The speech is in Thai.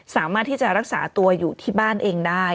สามารถที่จะรักษาตัวอยู่ที่บ้านเองได้